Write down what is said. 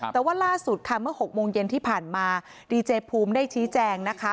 แต่ว่าล่าสุดค่ะเมื่อ๖โมงเย็นที่ผ่านมาดีเจภูมิได้ชี้แจงนะคะ